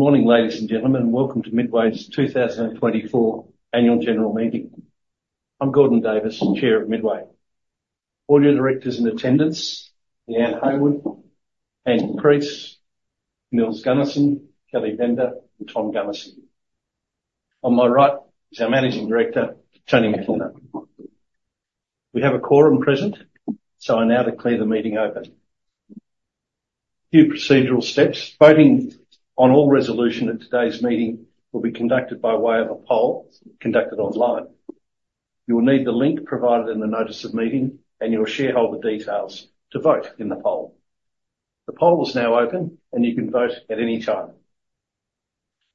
Good morning, ladies and gentlemen, and welcome to Midway's 2024 Annual General Meeting. I'm Gordon Davis, Chair of Midway. Our directors in attendance: Leanne Haywood, Andy Priest, Nils Gunnarsson, Kelly Bender, and Tom Gunnarsson. On my right is our Managing Director, Tony McKenna. We have a quorum present, so I now declare the meeting open. Few procedural steps: voting on all resolutions at today's meeting will be conducted by way of a poll conducted online. You will need the link provided in the notice of meeting and your shareholder details to vote in the poll. The poll is now open, and you can vote at any time.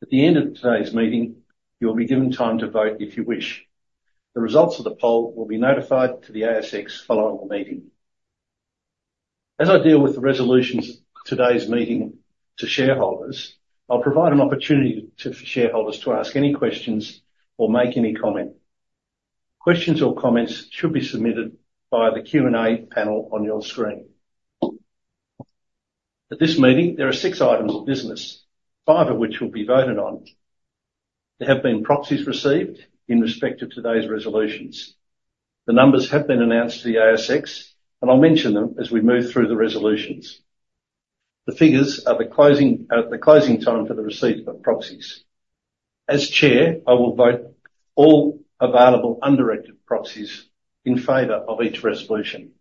At the end of today's meeting, you will be given time to vote if you wish. The results of the poll will be notified to the ASX following the meeting. As I deal with the resolutions of today's meeting to shareholders, I'll provide an opportunity for shareholders to ask any questions or make any comment. Questions or comments should be submitted via the Q&A panel on your screen. At this meeting, there are six items of business, five of which will be voted on. There have been proxies received in respect of today's resolutions. The numbers have been announced to the ASX, and I'll mention them as we move through the resolutions. The figures are the closing time for the receipt of proxies. As Chair, I will vote all available undirected proxies in favor of each resolution.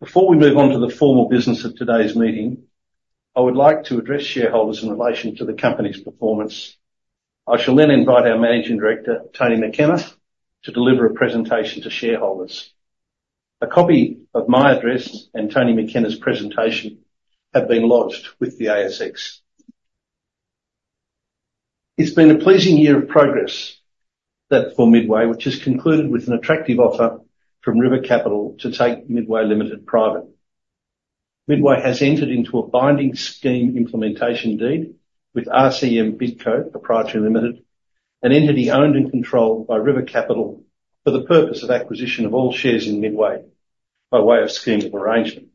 Before we move on to the formal business of today's meeting, I would like to address shareholders in relation to the company's performance. I shall then invite our Managing Director, Tony McKenna, to deliver a presentation to shareholders. A copy of my address and Tony McKenna's presentation have been lodged with the ASX. It's been a pleasing year of progress for Midway, which has concluded with an attractive offer from River Capital to take Midway Limited private. Midway has entered into a binding scheme implementation deed with RCM Bidco Pty Ltd, an entity owned and controlled by River Capital for the purpose of acquisition of all shares in Midway by way of scheme of arrangement.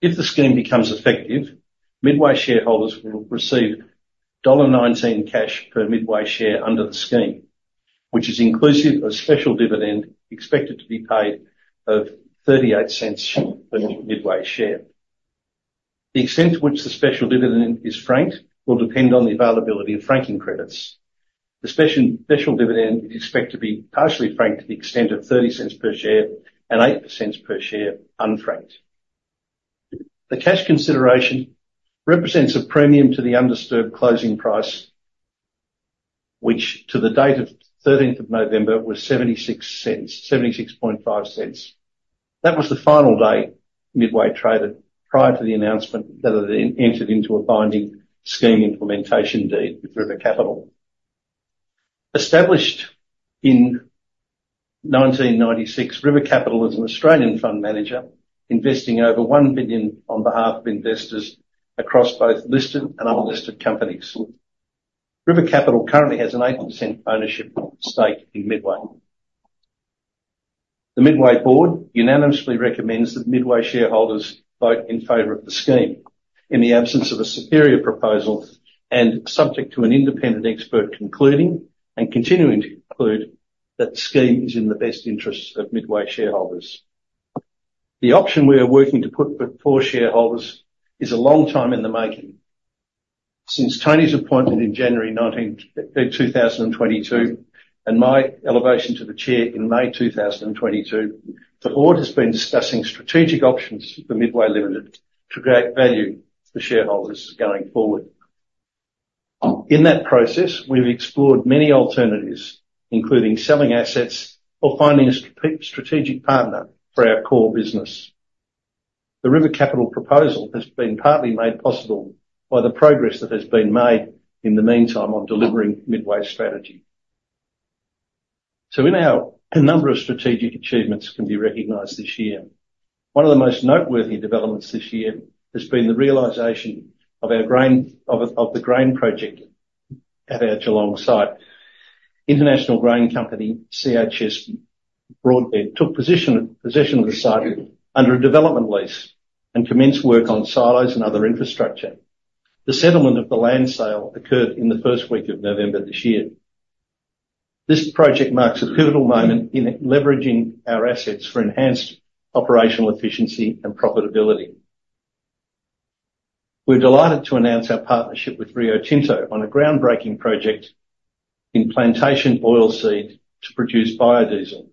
If the scheme becomes effective, Midway shareholders will receive AUD 1.19 cash per Midway share under the scheme, which is inclusive of special dividend expected to be paid of 0.38 per Midway share. The extent to which the special dividend is franked will depend on the availability of franking credits. The special dividend is expected to be partially franked to the extent of 0.30 per share and 0.08 per share unfranked. The cash consideration represents a premium to the undisturbed closing price, which to the date of 13 November was $0.76, $0.765. That was the final day Midway traded prior to the announcement that it entered into a binding scheme implementation deed with River Capital. Established in 1996, River Capital is an Australian fund manager investing over $1 billion on behalf of investors across both listed and unlisted companies. River Capital currently has an 8% ownership stake in Midway. The Midway board unanimously recommends that Midway shareholders vote in favor of the scheme in the absence of a superior proposal and subject to an independent expert concluding and continuing to conclude that the scheme is in the best interests of Midway shareholders. The option we are working to put for shareholders is a long time in the making. Since Tony's appointment in January 2022 and my elevation to the Chair in May 2022, the board has been discussing strategic options for Midway Limited to create value for shareholders going forward. In that process, we've explored many alternatives, including selling assets or finding a strategic partner for our core business. The River Capital proposal has been partly made possible by the progress that has been made in the meantime on delivering Midway's strategy. So we now have a number of strategic achievements that can be recognized this year. One of the most noteworthy developments this year has been the realization of the grain project at our Geelong site. International grain company CHS Broadbent took possession of the site under a development lease and commenced work on silos and other infrastructure. The settlement of the land sale occurred in the first week of November this year. This project marks a pivotal moment in leveraging our assets for enhanced operational efficiency and profitability. We're delighted to announce our partnership with Rio Tinto on a groundbreaking project in plantation oilseed to produce biodiesel.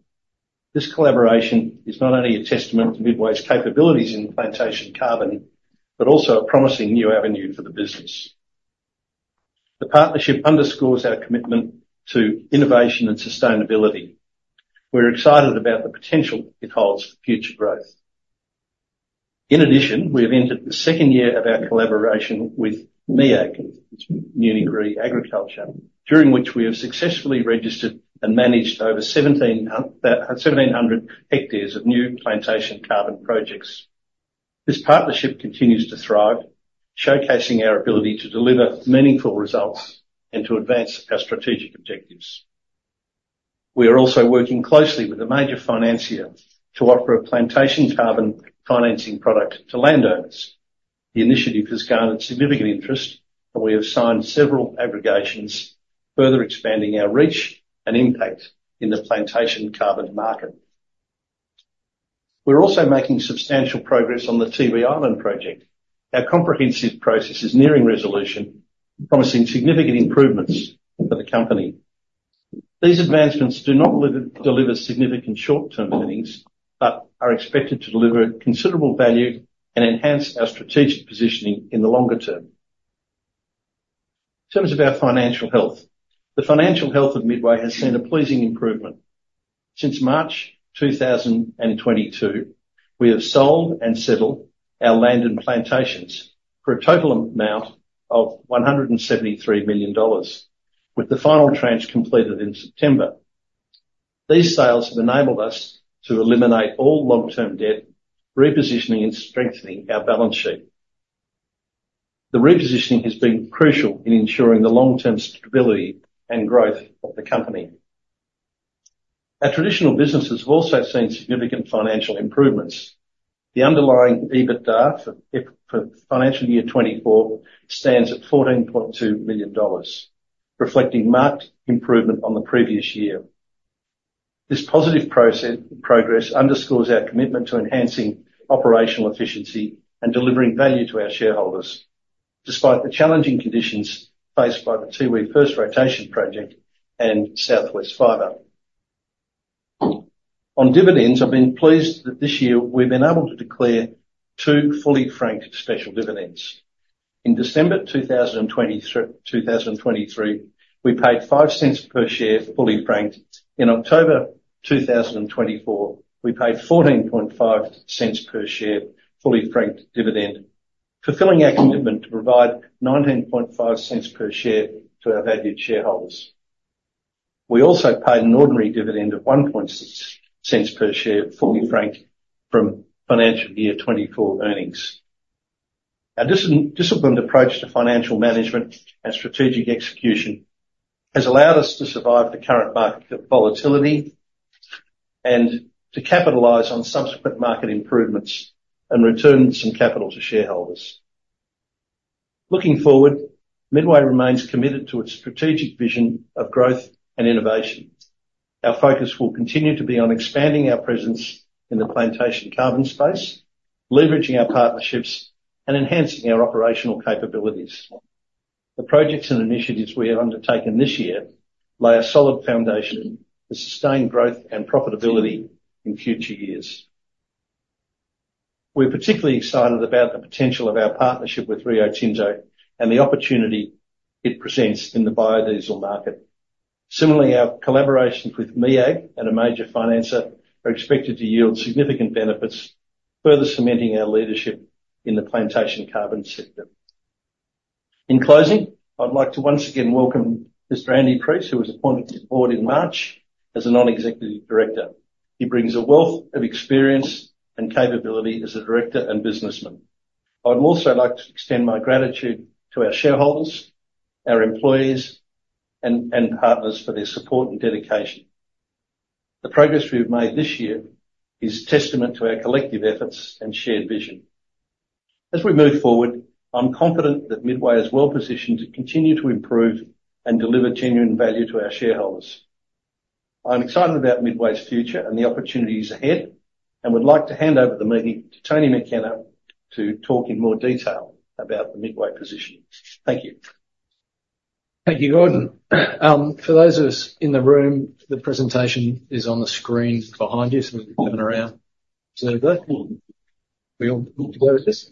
This collaboration is not only a testament to Midway's capabilities in plantation carbon but also a promising new avenue for the business. The partnership underscores our commitment to innovation and sustainability. We're excited about the potential it holds for future growth. In addition, we have entered the second year of our collaboration with MEAG, during which we have successfully registered and managed over 1,700 hectares of new plantation carbon projects. This partnership continues to thrive, showcasing our ability to deliver meaningful results and to advance our strategic objectives. We are also working closely with a major financier to offer a plantation carbon financing product to landowners. The initiative has garnered significant interest, and we have signed several aggregations, further expanding our reach and impact in the plantation carbon market. We're also making substantial progress on the Tiwi Islands project. Our comprehensive process is nearing resolution, promising significant improvements for the company. These advancements do not deliver significant short-term earnings but are expected to deliver considerable value and enhance our strategic positioning in the longer term. In terms of our financial health, the financial health of Midway has seen a pleasing improvement. Since March 2022, we have sold and settled our land and plantations for a total amount of 173 million dollars, with the final tranche completed in September. These sales have enabled us to eliminate all long-term debt, repositioning and strengthening our balance sheet. The repositioning has been crucial in ensuring the long-term stability and growth of the company. Our traditional businesses have also seen significant financial improvements. The underlying EBITDA for financial year 24 stands at 14.2 million dollars, reflecting marked improvement on the previous year. This positive progress underscores our commitment to enhancing operational efficiency and delivering value to our shareholders, despite the challenging conditions faced by the Tiwi first rotation project and Southwest Fibre. On dividends, I've been pleased that this year we've been able to declare two fully franked special dividends. In December 2023, we paid 0.05 per share fully franked. In October 2024, we paid 14.5 cents per share fully franked dividend, fulfilling our commitment to provide 19.5 cents per share to our valued shareholders. We also paid an ordinary dividend of 1.6 cents per share fully franked from financial year 24 earnings. Our disciplined approach to financial management and strategic execution has allowed us to survive the current market volatility and to capitalize on subsequent market improvements and return some capital to shareholders. Looking forward, Midway remains committed to its strategic vision of growth and innovation. Our focus will continue to be on expanding our presence in the plantation carbon space, leveraging our partnerships, and enhancing our operational capabilities. The projects and initiatives we have undertaken this year lay a solid foundation for sustained growth and profitability in future years. We're particularly excited about the potential of our partnership with Rio Tinto and the opportunity it presents in the biodiesel market. Similarly, our collaborations with MEAG and a major financer are expected to yield significant benefits, further cementing our leadership in the plantation carbon sector. In closing, I'd like to once again welcome Mr. Andy Priest, who was appointed to the board in March as a non-executive director. He brings a wealth of experience and capability as a director and businessman. I'd also like to extend my gratitude to our shareholders, our employees, and partners for their support and dedication. The progress we've made this year is testament to our collective efforts and shared vision. As we move forward, I'm confident that Midway is well positioned to continue to improve and deliver genuine value to our shareholders. I'm excited about Midway's future and the opportunities ahead, and would like to hand over the meeting to Tony McKenna to talk in more detail about the Midway position. Thank you. Thank you, Gordon. For those of us in the room, the presentation is on the screen behind you, so we can turn around and observe that. We'll go with this.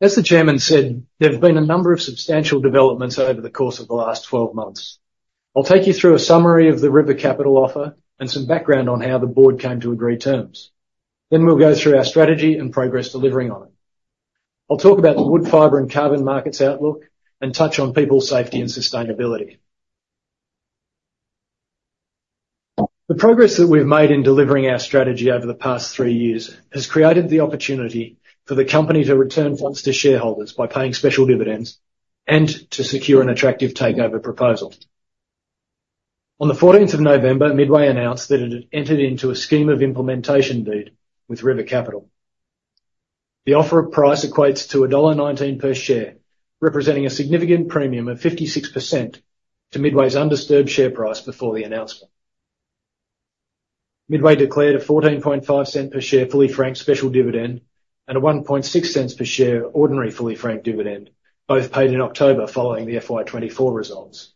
As the Chairman said, there have been a number of substantial developments over the course of the last 12 months. I'll take you through a summary of the River Capital offer and some background on how the board came to agree terms. Then we'll go through our strategy and progress delivering on it. I'll talk about the wood, fiber, and carbon markets outlook and touch on people's safety and sustainability. The progress that we've made in delivering our strategy over the past three years has created the opportunity for the company to return funds to shareholders by paying special dividends and to secure an attractive takeover proposal. On the 14th of November, Midway announced that it had entered into a scheme implementation deed with River Capital. The offer price equates to dollar 1.19 per share, representing a significant premium of 56% to Midway's undisturbed share price before the announcement. Midway declared a 14.5 cents per share fully franked special dividend and a 1.6 cents per share ordinary fully franked dividend, both paid in October following the FY 2024 results.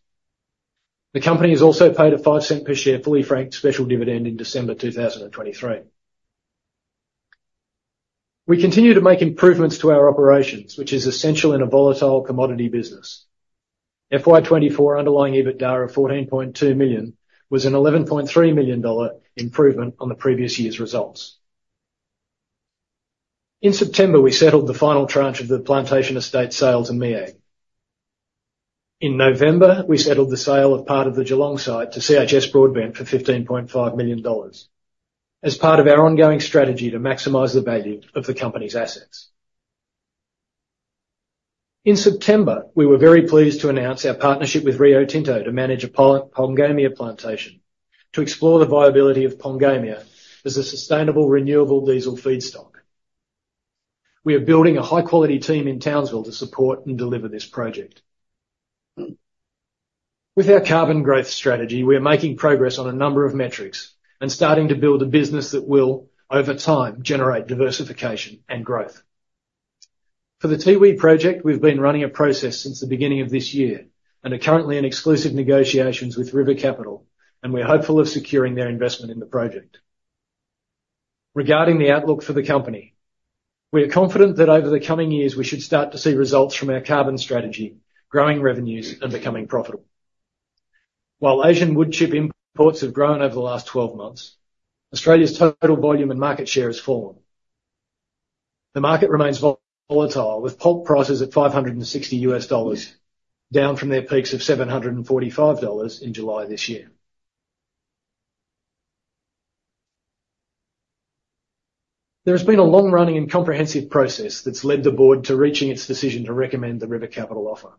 The company has also paid a 0.05 per share fully franked special dividend in December 2023. We continue to make improvements to our operations, which is essential in a volatile commodity business. FY 2024 underlying EBITDA of AUD 14.2 million was an AUD 11.3 million improvement on the previous year's results. In September, we settled the final tranche of the plantation estate sale to MEAG. In November, we settled the sale of part of the Geelong site to CHS Broadbent for 15.5 million dollars as part of our ongoing strategy to maximize the value of the company's assets. In September, we were very pleased to announce our partnership with Rio Tinto to manage a Pongamia plantation to explore the viability of Pongamia as a sustainable renewable diesel feedstock. We are building a high-quality team in Townsville to support and deliver this project. With our carbon growth strategy, we are making progress on a number of metrics and starting to build a business that will, over time, generate diversification and growth. For the Tiwi project, we've been running a process since the beginning of this year and are currently in exclusive negotiations with River Capital, and we're hopeful of securing their investment in the project. Regarding the outlook for the company, we are confident that over the coming years we should start to see results from our carbon strategy, growing revenues, and becoming profitable. While Asian wood chip imports have grown over the last 12 months, Australia's total volume and market share has fallen. The market remains volatile, with pulp prices at $560, down from their peaks of $745 in July this year. There has been a long-running and comprehensive process that's led the board to reaching its decision to recommend the River Capital offer.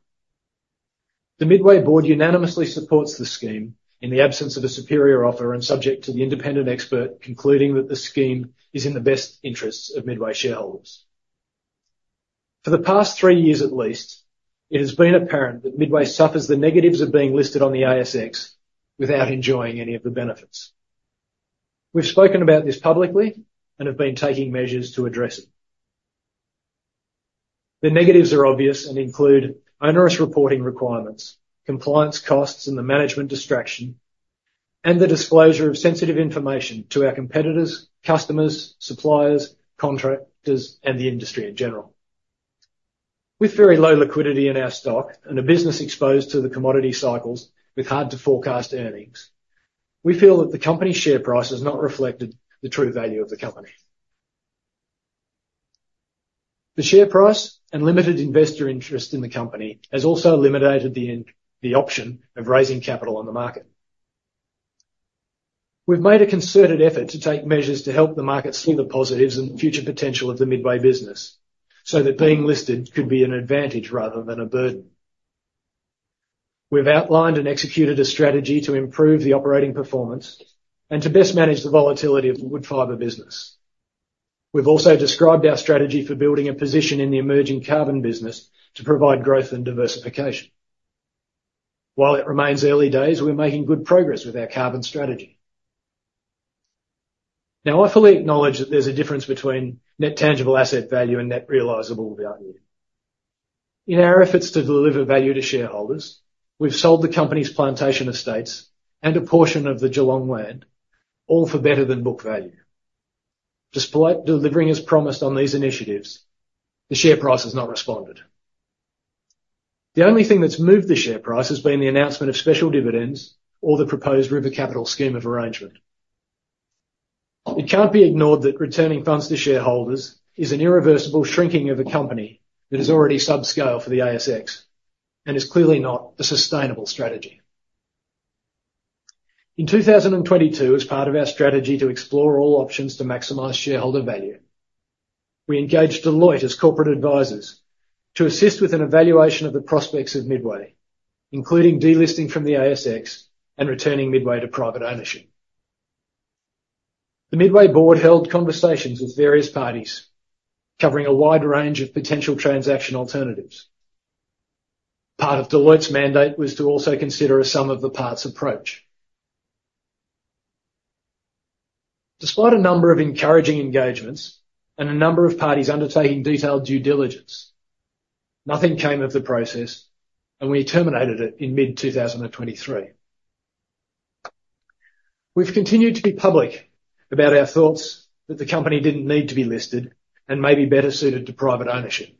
The Midway board unanimously supports the scheme in the absence of a superior offer and subject to the independent expert concluding that the scheme is in the best interests of Midway shareholders. For the past three years at least, it has been apparent that Midway suffers the negatives of being listed on the ASX without enjoying any of the benefits. We've spoken about this publicly and have been taking measures to address it. The negatives are obvious and include onerous reporting requirements, compliance costs and the management distraction, and the disclosure of sensitive information to our competitors, customers, suppliers, contractors, and the industry in general. With very low liquidity in our stock and a business exposed to the commodity cycles with hard-to-forecast earnings, we feel that the company's share price has not reflected the true value of the company. The share price and limited investor interest in the company has also limited the option of raising capital on the market. We've made a concerted effort to take measures to help the market see the positives and future potential of the Midway business so that being listed could be an advantage rather than a burden. We've outlined and executed a strategy to improve the operating performance and to best manage the volatility of the wood fibre business. We've also described our strategy for building a position in the emerging carbon business to provide growth and diversification. While it remains early days, we're making good progress with our carbon strategy. Now, I fully acknowledge that there's a difference between net tangible asset value and net realisable value. In our efforts to deliver value to shareholders, we've sold the company's plantation estates and a portion of the Geelong land, all for better than book value. Despite delivering as promised on these initiatives, the share price has not responded. The only thing that's moved the share price has been the announcement of special dividends or the proposed River Capital scheme of arrangement. It can't be ignored that returning funds to shareholders is an irreversible shrinking of a company that is already subscale for the ASX and is clearly not a sustainable strategy. In 2022, as part of our strategy to explore all options to maximize shareholder value, we engaged Deloitte as corporate advisors to assist with an evaluation of the prospects of Midway, including delisting from the ASX and returning Midway to private ownership. The Midway board held conversations with various parties covering a wide range of potential transaction alternatives. Part of Deloitte's mandate was to also consider a sum of the parts approach. Despite a number of encouraging engagements and a number of parties undertaking detailed due diligence, nothing came of the process, and we terminated it in mid-2023. We've continued to be public about our thoughts that the company didn't need to be listed and may be better suited to private ownership.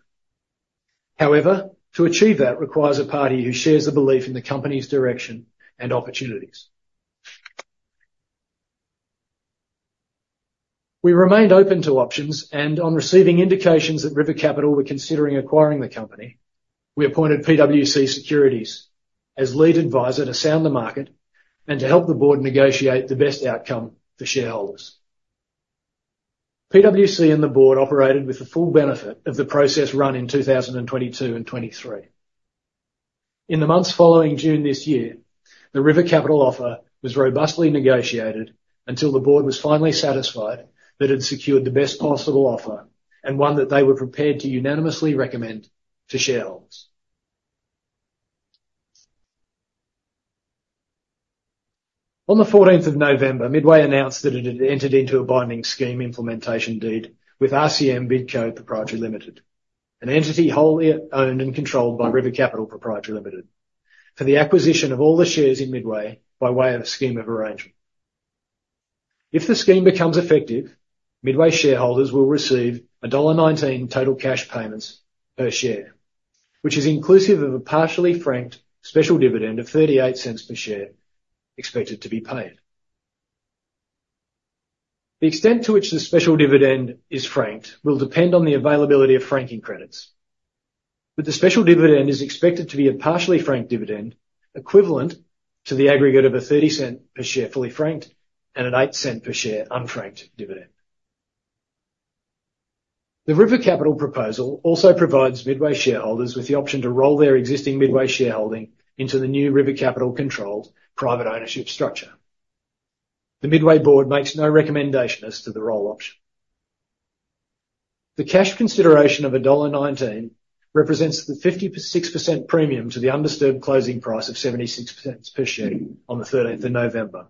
However, to achieve that requires a party who shares the belief in the company's direction and opportunities. We remained open to options, and on receiving indications that River Capital were considering acquiring the company, we appointed PwC Securities as lead advisor to sound the market and to help the board negotiate the best outcome for shareholders. PwC and the board operated with the full benefit of the process run in 2022 and 2023. In the months following June this year, the River Capital offer was robustly negotiated until the board was finally satisfied that it had secured the best possible offer and one that they were prepared to unanimously recommend to shareholders. On the 14th of November, Midway announced that it had entered into a binding scheme implementation deed with RCM Bidco Pty Ltd, an entity wholly owned and controlled by River Capital Pty Ltd, for the acquisition of all the shares in Midway by way of a scheme of arrangement. If the scheme becomes effective, Midway shareholders will receive dollar 1.19 total cash payments per share, which is inclusive of a partially franked special dividend of 0.38 per share expected to be paid. The extent to which the special dividend is franked will depend on the availability of franking credits, but the special dividend is expected to be a partially franked dividend equivalent to the aggregate of a 0.30 per share fully franked and an 0.08 per share unfranked dividend. The River Capital proposal also provides Midway shareholders with the option to roll their existing Midway shareholding into the new River Capital-controlled private ownership structure. The Midway board makes no recommendation as to the roll option. The cash consideration of dollar 1.19 represents the 56% premium to the undisturbed closing price of 0.76 per share on the 13th of November,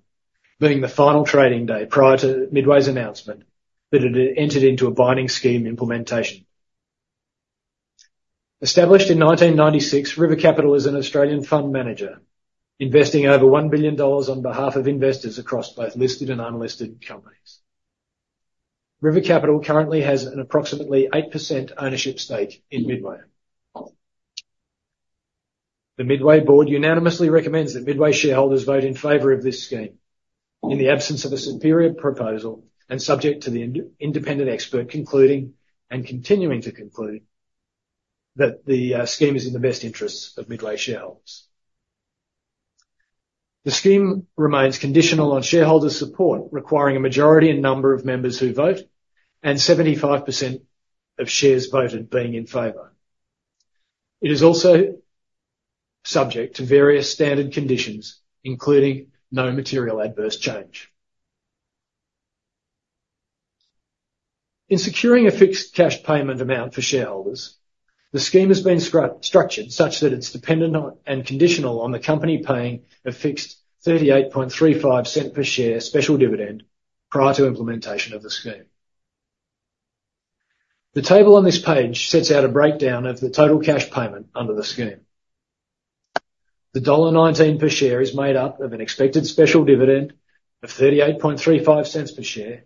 being the final trading day prior to Midway's announcement that it had entered into a binding scheme implementation. Established in 1996, River Capital is an Australian fund manager investing over 1 billion dollars on behalf of investors across both listed and unlisted companies. River Capital currently has an approximately 8% ownership stake in Midway. The Midway board unanimously recommends that Midway shareholders vote in favor of this scheme in the absence of a superior proposal and subject to the independent expert concluding and continuing to conclude that the scheme is in the best interests of Midway shareholders. The scheme remains conditional on shareholder support, requiring a majority and number of members who vote and 75% of shares voted being in favor. It is also subject to various standard conditions, including no material adverse change. In securing a fixed cash payment amount for shareholders, the scheme has been structured such that it's dependent and conditional on the company paying a fixed 0.3835 per share special dividend prior to implementation of the scheme. The table on this page sets out a breakdown of the total cash payment under the scheme. The dollar 1.19 per share is made up of an expected special dividend of 0.3835 per share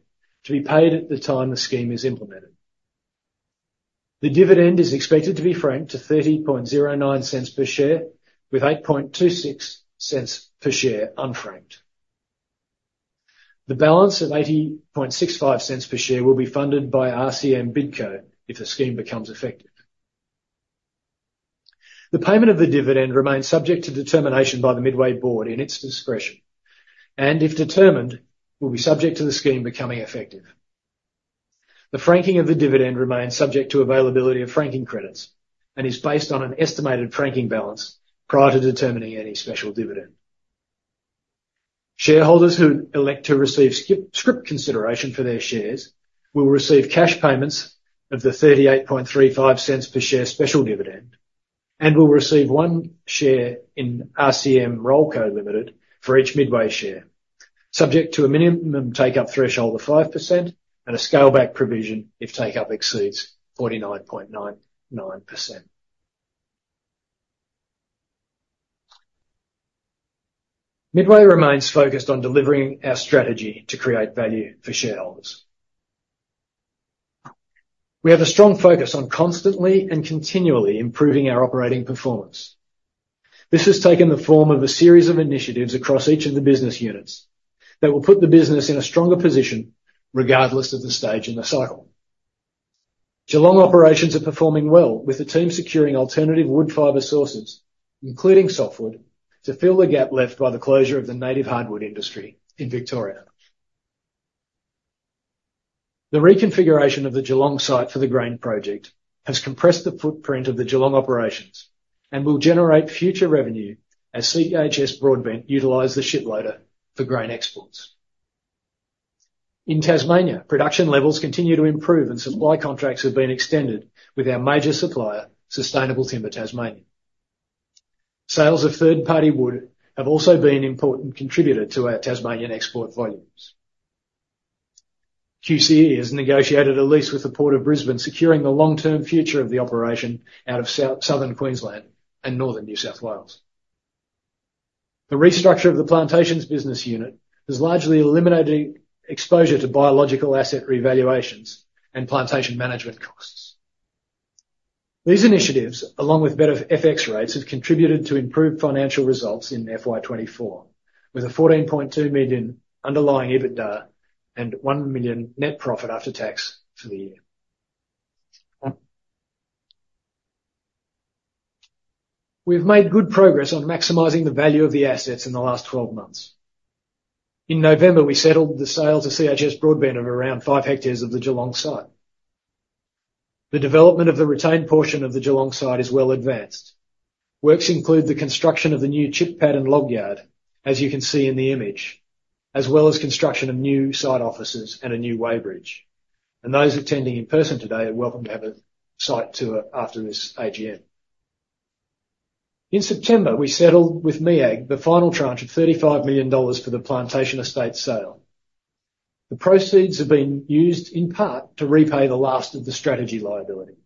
to be paid at the time the scheme is implemented. The dividend is expected to be franked to 0.3009 per share with 0.0826 per share unfranked. The balance of 0.8065 per share will be funded by RCM Bidco if the scheme becomes effective. The payment of the dividend remains subject to determination by the Midway board in its discretion, and if determined, will be subject to the scheme becoming effective. The franking of the dividend remains subject to availability of franking credits and is based on an estimated franking balance prior to determining any special dividend. Shareholders who elect to receive scrip consideration for their shares will receive cash payments of the 0.3835 per share special dividend and will receive one share in RCM Rollco Ltd for each Midway share, subject to a minimum take-up threshold of 5% and a scale-back provision if take-up exceeds 49.99%. Midway remains focused on delivering our strategy to create value for shareholders. We have a strong focus on constantly and continually improving our operating performance. This has taken the form of a series of initiatives across each of the business units that will put the business in a stronger position regardless of the stage in the cycle. Geelong operations are performing well, with the team securing alternative wood fiber sources, including softwood, to fill the gap left by the closure of the native hardwood industry in Victoria. The reconfiguration of the Geelong site for the grain project has compressed the footprint of the Geelong operations and will generate future revenue as CHS Broadbent utilize the ship loader for grain exports. In Tasmania, production levels continue to improve and supply contracts have been extended with our major supplier, Sustainable Timber Tasmania. Sales of third-party wood have also been an important contributor to our Tasmanian export volumes. QCE has negotiated a lease with the Port of Brisbane, securing the long-term future of the operation out of southern Queensland and northern New South Wales. The restructure of the plantations business unit has largely eliminated exposure to biological asset revaluations and plantation management costs. These initiatives, along with better FX rates, have contributed to improved financial results in FY 2024, with a 14.2 million underlying EBITDA and 1 million net profit after tax for the year. We've made good progress on maximizing the value of the assets in the last 12 months. In November, we settled the sale to CHS Broadbent of around five hectares of the Geelong site. The development of the retained portion of the Geelong site is well advanced. Works include the construction of the new chip pad and log yard, as you can see in the image, as well as construction of new site offices and a new weighbridge, and those attending in person today are welcome to have a site tour after this AGM. In September, we settled with MEAG the final tranche of 35 million dollars for the plantation estate sale. The proceeds have been used in part to repay the last of the Strategy liability.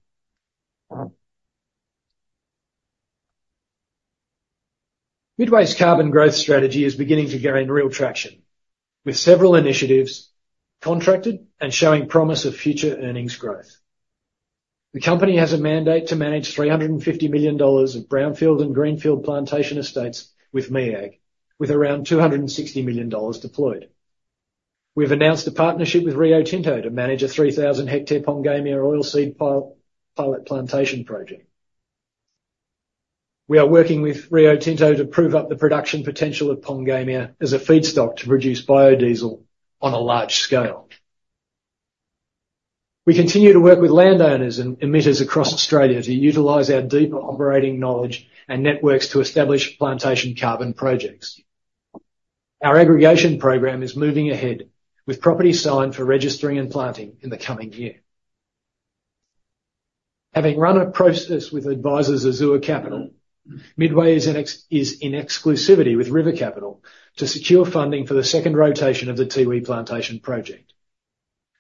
Midway's carbon growth strategy is beginning to gain real traction with several initiatives contracted and showing promise of future earnings growth. The company has a mandate to manage 350 million dollars of brownfield and greenfield plantation estates with MEAG, with around 260 million dollars deployed. We've announced a partnership with Rio Tinto to manage a 3,000-hectare Pongamia oilseed pilot plantation project. We are working with Rio Tinto to prove up the production potential of Pongamia as a feedstock to produce biodiesel on a large scale. We continue to work with landowners and emitters across Australia to utilize our deep operating knowledge and networks to establish plantation carbon projects. Our aggregation program is moving ahead with property signed for registering and planting in the coming year. Having run a process with advisors at Azure Capital, Midway is in exclusivity with River Capital to secure funding for the second rotation of the Tiwi plantation project.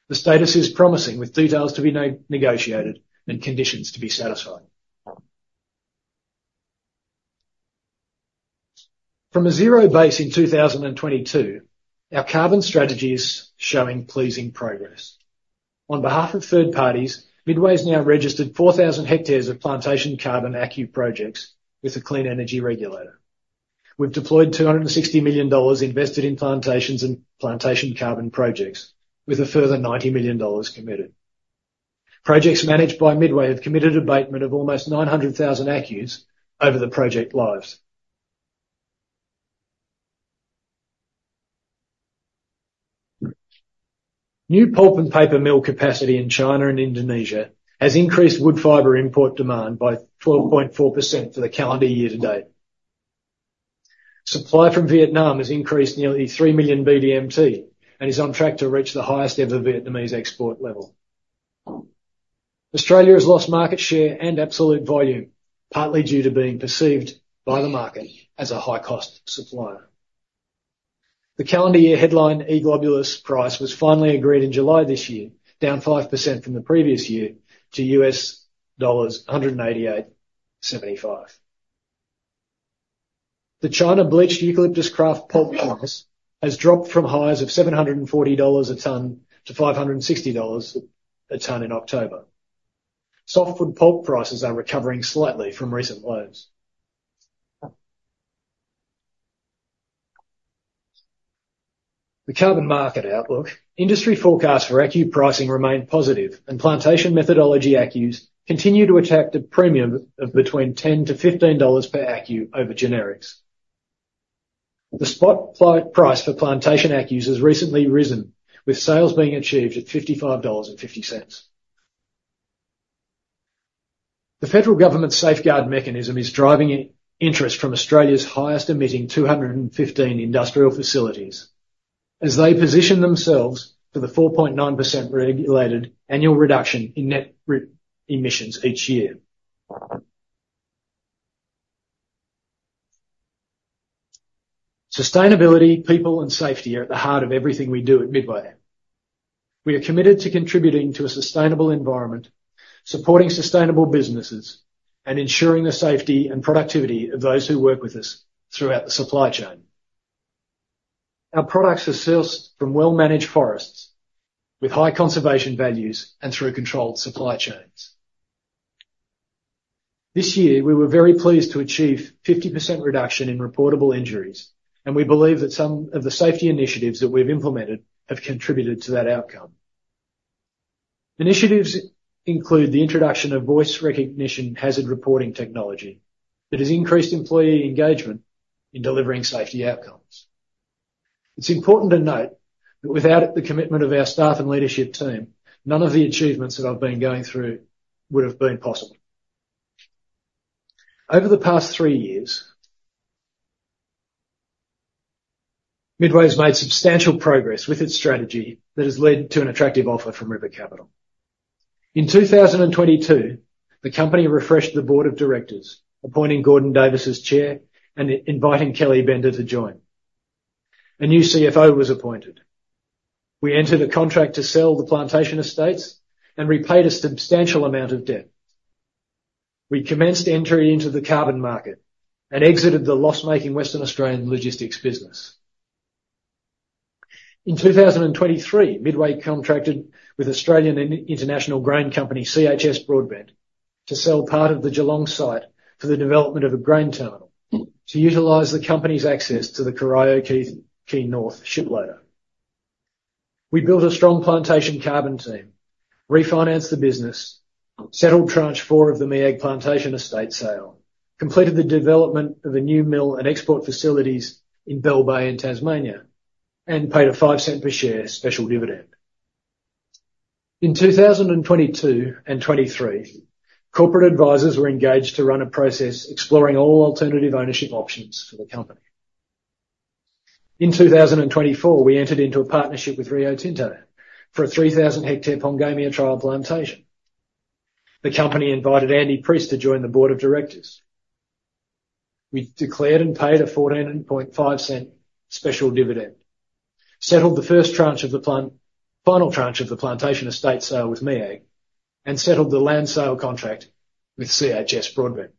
The status is promising, with details to be negotiated and conditions to be satisfied. From a zero base in 2022, our carbon strategy is showing pleasing progress. On behalf of third parties, Midway has now registered 4,000 hectares of plantation carbon ACCU projects with the Clean Energy Regulator. We've deployed 260 million dollars invested in plantations and plantation carbon projects, with a further 90 million dollars committed. Projects managed by Midway have committed abatement of almost 900,000 ACCUs over the project lives. New pulp and paper mill capacity in China and Indonesia has increased wood fiber import demand by 12.4% for the calendar year to date. Supply from Vietnam has increased nearly 3 million BDMT and is on track to reach the highest ever Vietnamese export level. Australia has lost market share and absolute volume, partly due to being perceived by the market as a high-cost supplier. The calendar year headline E-globulus price was finally agreed in July this year, down 5% from the previous year to $188.75. The China Bleached Eucalyptus Kraft Pulp Price has dropped from highs of $740 a tonne to $560 a tonne in October. Softwood pulp prices are recovering slightly from recent lows. The carbon market outlook: industry forecasts for ACCU pricing remain positive, and plantation methodology ACCUs continue to attract the premium of between $10 to $15 per ACCU over generics. The spot price for plantation ACCUs has recently risen, with sales being achieved at $55.50. The federal government's Safeguard Mechanism is driving interest from Australia's highest emitting 215 industrial facilities as they position themselves for the 4.9% regulated annual reduction in net emissions each year. Sustainability, people, and safety are at the heart of everything we do at Midway. We are committed to contributing to a sustainable environment, supporting sustainable businesses, and ensuring the safety and productivity of those who work with us throughout the supply chain. Our products are sourced from well-managed forests with high conservation values and through controlled supply chains. This year, we were very pleased to achieve a 50% reduction in reportable injuries, and we believe that some of the safety initiatives that we've implemented have contributed to that outcome. Initiatives include the introduction of voice recognition hazard reporting technology that has increased employee engagement in delivering safety outcomes. It's important to note that without the commitment of our staff and leadership team, none of the achievements that I've been going through would have been possible. Over the past three years, Midway has made substantial progress with its strategy that has led to an attractive offer from River Capital. In 2022, the company refreshed the board of directors, appointing Gordon Davis as Chair and inviting Kelly Bender to join. A new CFO was appointed. We entered a contract to sell the plantation estates and repaid a substantial amount of debt. We commenced entry into the carbon market and exited the loss-making Western Australian logistics business. In 2023, Midway contracted with Australian international grain company CHS Broadbent to sell part of the Geelong site for the development of a grain terminal to utilize the company's access to the Corio Quay North ship loader. We built a strong plantation carbon team, refinanced the business, settled tranche four of the MEAG plantation estate sale, completed the development of a new mill and export facilities in Bell Bay, Tasmania, and paid an 0.05 per share special dividend. In 2022 and 2023, corporate advisors were engaged to run a process exploring all alternative ownership options for the company. In 2024, we entered into a partnership with Rio Tinto for a 3,000-hectare Pongamia trial plantation. The company invited Andy Priest to join the board of directors. We declared and paid a $14.50 special dividend, settled the first tranche of the final tranche of the plantation estate sale with MEAG, and settled the land sale contract with CHS Broadbent.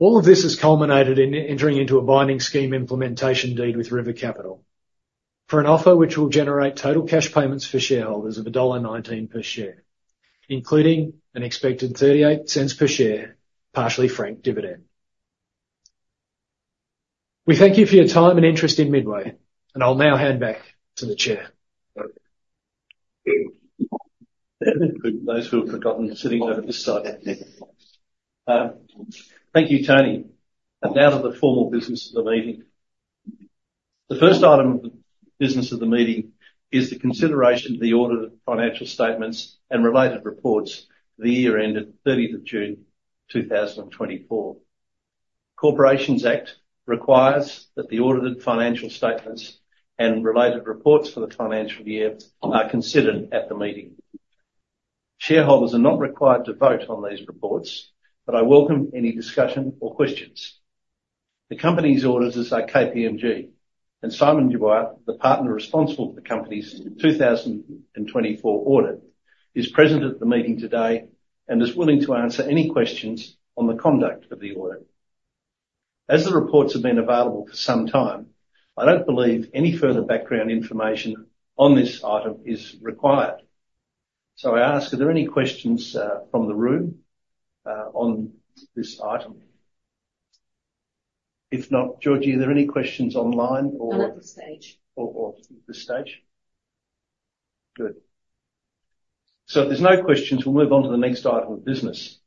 All of this has culminated in entering into a binding scheme implementation deed with River Capital for an offer which will generate total cash payments for shareholders of $1.19 per share, including an expected $0.38 per share partially franked dividend. We thank you for your time and interest in Midway, and I'll now hand back to the chair. Those who have forgotten sitting over this side. Thank you, Tony. And now to the formal business of the meeting. The first item of the business of the meeting is the consideration of the audited financial statements and related reports for the year ended 30th of June 2024. Corporations Act requires that the audited financial statements and related reports for the financial year are considered at the meeting. Shareholders are not required to vote on these reports, but I welcome any discussion or questions. The company's auditors are KPMG, and Simon Dubois, the partner responsible for the company's 2024 audit, is present at the meeting today and is willing to answer any questions on the conduct of the audit. As the reports have been available for some time, I don't believe any further background information on this item is required. So I ask, are there any questions from the room on this item? If not, Georgie, are there any questions online or at this stage? Good. So if there's no questions, we'll move on to the next item of business.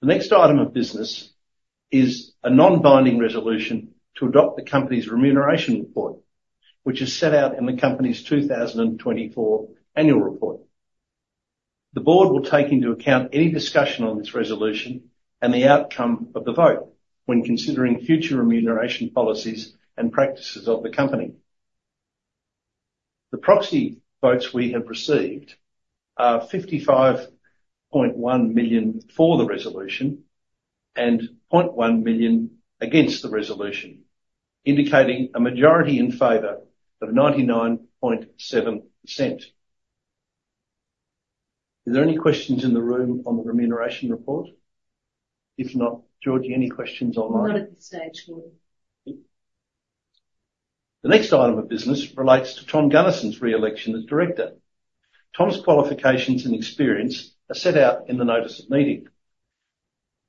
The next item of business is a non-binding resolution to adopt the company's remuneration report, which is set out in the company's 2024 annual report. The board will take into account any discussion on this resolution and the outcome of the vote when considering future remuneration policies and practices of the company. The proxy votes we have received are 55.1 million for the resolution and 0.1 million against the resolution, indicating a majority in favour of 99.7%. Are there any questions in the room on the remuneration report? If not, Georgie, any questions online? Not at this stage, Georgie. The next item of business relates to Tom Gunnarsson's re-election as director. Tom's qualifications and experience are set out in the notice of meeting.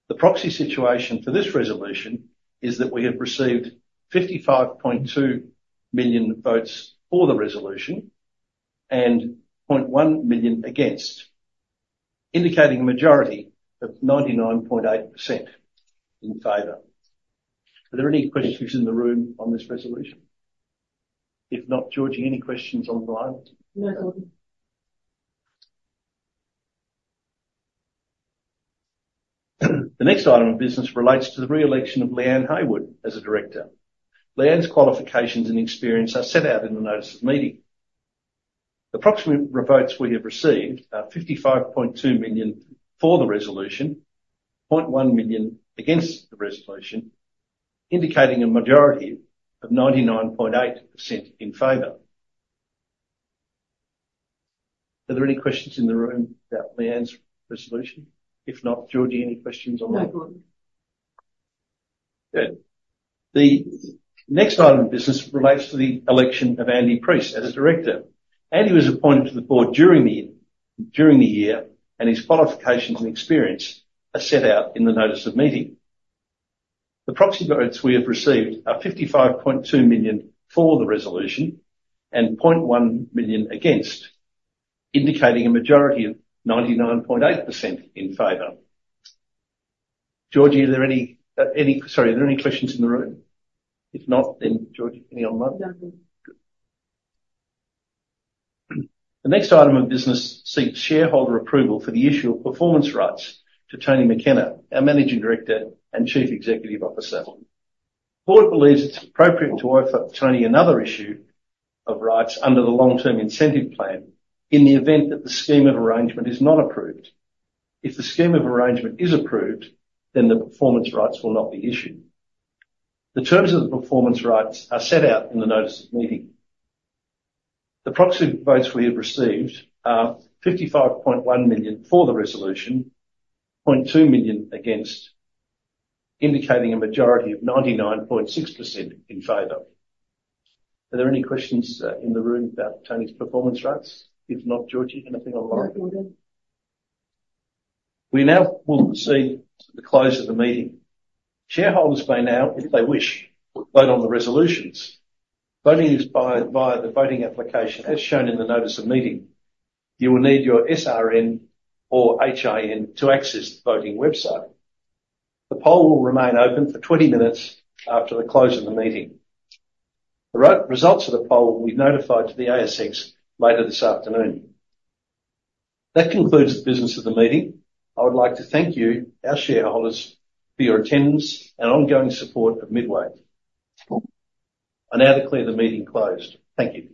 The proxy situation for this resolution is that we have received 55.2 million votes for the resolution and 0.1 million against, indicating a majority of 99.8% in favor. Are there any questions in the room on this resolution? If not, Georgie, any questions online? No, Georgie. The next item of business relates to the re-election of Leanne Haywood as a director. Leanne's qualifications and experience are set out in the notice of meeting. The proxy votes we have received are 55.2 million for the resolution, 0.1 million against the resolution, indicating a majority of 99.8% in favor. Are there any questions in the room about Leanne's resolution? If not, Georgie, any questions online? No, Georgie. Good. The next item of business relates to the election of Andy Priest as a director. Andy was appointed to the board during the year, and his qualifications and experience are set out in the notice of meeting. The proxy votes we have received are 55.2 million for the resolution and 0.1 million against, indicating a majority of 99.8% in favor. Georgie, are there any questions in the room? If not, then, Georgie, any online? No. The next item of business seeks shareholder approval for the issue of performance rights to Tony McKenna, our Managing Director and Chief Executive Officer. The board believes it's appropriate to offer Tony another issue of rights under the long-term incentive plan in the event that the scheme of arrangement is not approved. If the scheme of arrangement is approved, then the performance rights will not be issued. The terms of the performance rights are set out in the notice of meeting. The proxy votes we have received are 55.1 million for the resolution, 0.2 million against, indicating a majority of 99.6% in favor. Are there any questions in the room about Tony's performance rights? If not, Georgie, anything online? No, Georgie. We now will proceed to the close of the meeting. Shareholders may now, if they wish, vote on the resolutions. Voting is via the voting application as shown in the notice of meeting. You will need your SRN or HIN to access the voting website. The poll will remain open for 20 minutes after the close of the meeting. The results of the poll will be notified to the ASX later this afternoon. That concludes the business of the meeting. I would like to thank you, our shareholders, for your attendance and ongoing support of Midway. I now declare the meeting closed. Thank you.